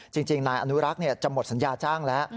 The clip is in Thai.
จริงนายอนุรักษ์จะหมดสัญญาจ้างแล้ว